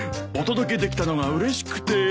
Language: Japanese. お届けできたのがうれしくて。